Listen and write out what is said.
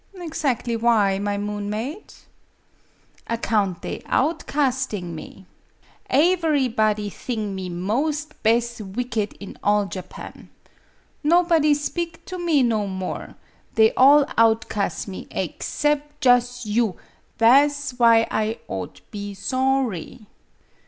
" Exactly why, my moon maid ?"" Account they outcasting me. Aevery body thing me mos' bes' wicked in all Japan. Nobody speak to me no more they all outcast me aexcep' jus' you; tha' 's why I ought be sawry."